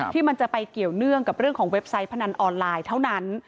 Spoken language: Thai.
ที่มันจะไปเกี่ยวเนื่องกับเรื่องของเว็บไซต์พนันออนไลน์เท่านั้น